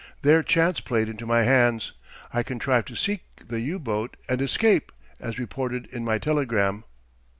There chance played into my hands: I contrived to sink the U boat and escape, as reported in my telegram."